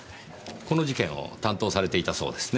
この事件を担当されていたそうですね？